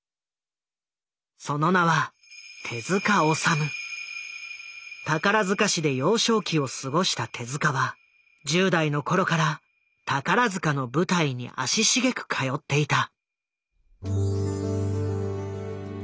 その名は宝塚市で幼少期を過ごした手は１０代の頃から宝塚の舞台に足しげく通っていた。